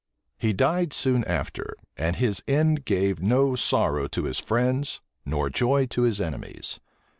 He died soon after, and his end gave neither sorrow to his friends nor joy to his enemies.